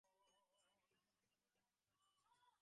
রামকৃষ্ণ পরমহংস অবতার ইত্যাদি সাধারণে প্রচার করিবে না।